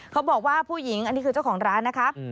เขาบอกว่าผู้หญิงอันนี้คือเจ้าของร้านนะคะ